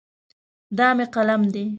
دا مې قلم دی.